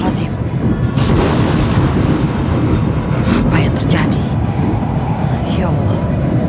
amin ya allah